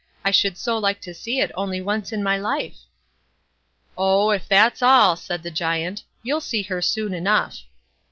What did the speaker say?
I should so like to see it only once in my life." "Oh, if that's all", said the Giant, "you'll see her soon enough."